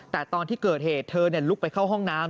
แต่ตอนที่เกิดเหตุเธอลุกไปเข้าห้องน้ำ